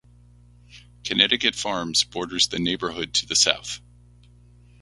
Connecticut Farms borders the neighborhood to the south.